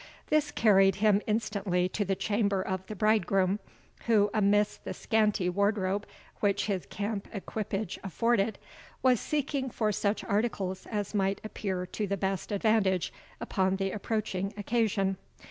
This carried him instantly to the chamber of the bride groom, who, amidst the scanty wardrobe which his camp equipage afforded, was seeking for such articles as might appear to the best advantage upon the approaching occasion.